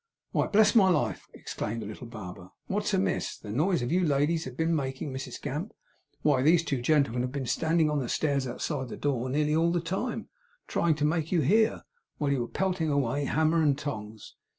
'Why, bless my life!' exclaimed the little barber, 'what's amiss? The noise you ladies have been making, Mrs Gamp! Why, these two gentlemen have been standing on the stairs, outside the door, nearly all the time, trying to make you hear, while you were pelting away, hammer and tongs!